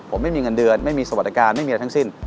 ผมไม่มีเงินเดือนไม่มีสวัสดิการไม่มีอะไรทั้งสิ้น